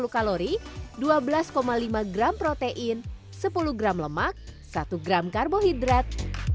satu ratus lima puluh kalori dua belas lima gram protein sepuluh gram lemak satu gram karbohidrat